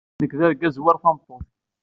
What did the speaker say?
Nekk d argaz war tameṭṭut.